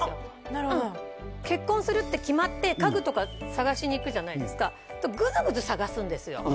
なるほど結婚するって決まって家具とか探しに行くじゃないですかグズグズ探すんですよ